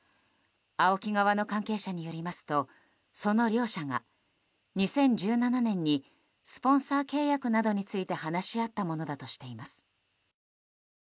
ＡＯＫＩ側の関係者によりますとその両者が２０１７年にスポンサー契約などについて話し合ったものだとしています。